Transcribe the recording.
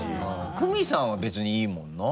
クミさんは別にいいもんな。